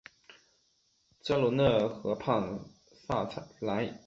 加罗讷河畔萨莱。